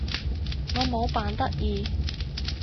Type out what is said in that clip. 我冇扮得意